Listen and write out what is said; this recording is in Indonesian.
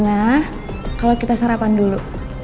nah kalau kita sarapan dulu